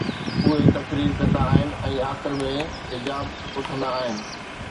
اهي تقرير ڪندا آهن ۽ آخر ۾ حجاب اٿندا آهن